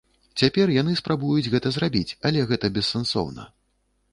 Цяпер яны спрабуюць гэта зрабіць, але гэта бессэнсоўна.